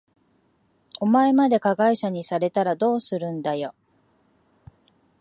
お前まで加害者にされたらどうするんだよ。